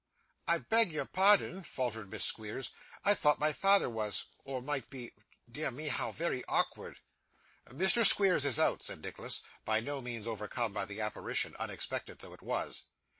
'I beg your pardon,' faltered Miss Squeers; 'I thought my father was or might be dear me, how very awkward!' 'Mr. Squeers is out,' said Nicholas, by no means overcome by the apparition, unexpected though it was.